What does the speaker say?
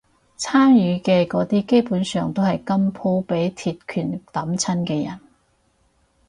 參與嘅嗰啲基本上都係今鋪畀鐵拳揼親嘅人